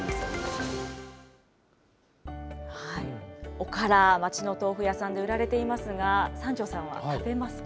おから、町のお豆腐屋さんで売られていますが、三條さんは食べますか？